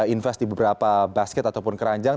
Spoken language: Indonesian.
invest di beberapa basket ataupun keranjang